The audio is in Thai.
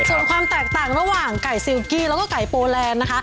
ส่วนความแตกต่างระหว่างไก่ซิลกี้แล้วก็ไก่โปแลนด์นะคะ